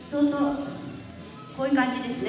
こういう感じですね。